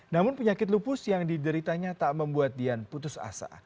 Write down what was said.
namun penyakit lupus yang dideritanya tak membuat dian putus asa